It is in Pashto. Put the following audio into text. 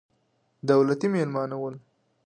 دولتي مېلمانه وو.